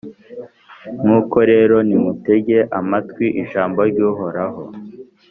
Nuko rero, nimutege amatwi ijambo ry’Uhoraho,